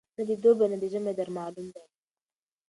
نه دي دوبی نه دي ژمی در معلوم دی